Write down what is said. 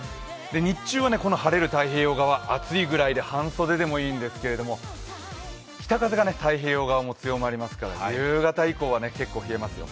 日中はこの晴れる太平洋側、暑いぐらいで半袖でもいいんですけど北風も太平洋側も強まりますから夕方以降は結構冷えますよ。